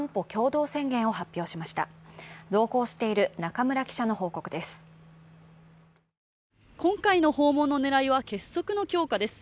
同行している中村記者の報告です。